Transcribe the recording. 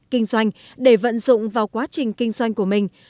kinh doanh để vận dụng vào quá trình kinh doanh của mình